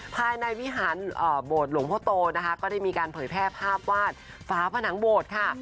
ภายในวิหารโบสถหลวงพ่อโตนะคะก็ได้มีการเผยแพร่ภาพวาดฝาผนังโบสถ์ค่ะ